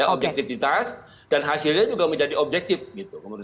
ya objektifitas dan hasilnya juga menjadi objektif gitu menurut saya